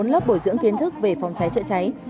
một mươi bốn lớp bổi dưỡng kiến thức về phòng trái chạy cháy